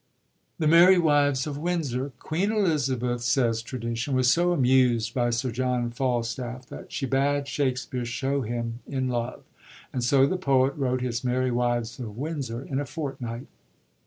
The Merry Wives of Windsor.— Queen Elizabeth, says tradition, was so amused by Sir John Falstaff, that she bade Shakspere show him in love ; and so the poet wrote his Merry Wives of Windsor in a fortnight.